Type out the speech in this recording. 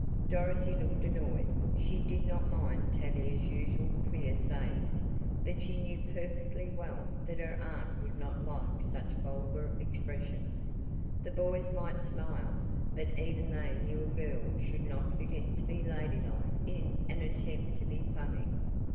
Dorothy looked annoyed. She did not mind Tavia's usual queer sayings, but she knew perfectly well that her aunt would not like such vulgar expressions. The boys might smile, but even they knew a girl should not forget to be ladylike in an attempt to be funny.